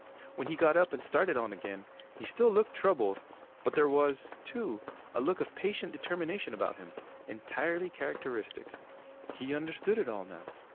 When he got up and started on again, he still looked troubled, but there was, too, a look of patient determination about him entirely characteristic. He understood it all now.